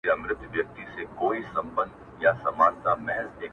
• بې یسینه بې وصیته په کفن یو ,